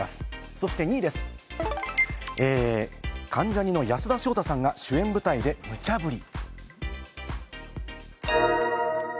そして２位です、関ジャニの安田章大さんが主演舞台でむちゃぶり。